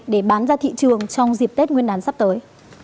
để bán ra thị trường trong dịp tết nguyên đán sắp tới